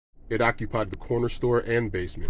It occupied the corner store and basement.